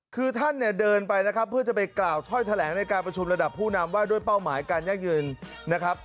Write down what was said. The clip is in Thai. คือท่านเนี่ยเดินไปนะครับเพื่อจะไปกล่าวถ้อยแถลงในการประชุมระดับผู้นำว่าด้วยเป้าหมายการยั่งยืนนะครับ